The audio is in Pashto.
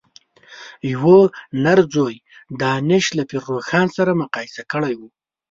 یوه نر ځوی دانش له پير روښان سره مقايسه کړی و.